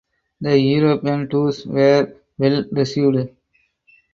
The European tours were well received.